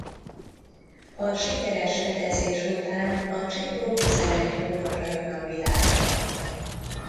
A sikeres fedezés után a csikó tizenegy hónapra jön a világra.